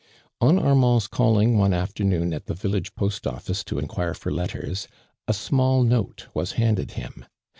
On Armand's calling one afternoon at the village post office to enquire for letters, a small note was lumded him.